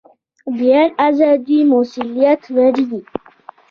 بیان ازادي مسوولیت لري